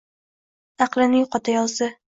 aqlini yo’qotayozdi.